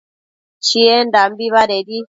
Chiendambi badedi